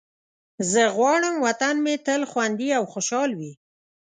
زه غواړم وطن مې تل خوندي او خوشحال وي.